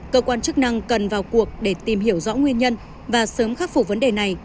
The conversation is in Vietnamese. cơ quan chức năng cần vào cuộc để tìm hiểu rõ nguyên nhân và sớm khắc phục vấn đề này